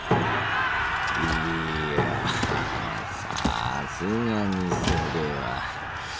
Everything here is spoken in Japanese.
いやさすがにそれは。